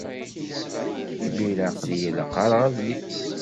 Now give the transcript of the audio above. Imir-a, aql-iyi la qqareɣ adlis.